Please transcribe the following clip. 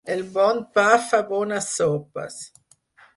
El bon pa fa bones sopes.